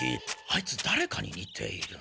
あいつだれかににている。